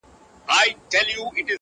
اوس هره شپه خوب کي بلا وينمه.